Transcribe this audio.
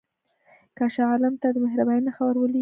که شاه عالم ته د مهربانۍ نښه ورولېږې.